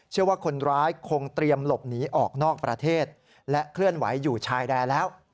เชื่อว่าคนร้ายคงเตรียมหลบหนีออกนอกประเทศและเคลื่อนไหวอยู่ชายแดนแล้ว